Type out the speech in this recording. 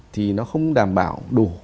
thì nó không đảm bảo đủ